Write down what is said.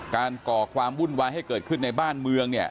ก่อความวุ่นวายให้เกิดขึ้นในบ้านเมืองเนี่ย